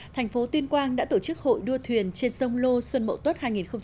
thành phố tuyên quang đã tổ chức hội đua thuyền trên sông lô xuân mậu tuất hai nghìn hai mươi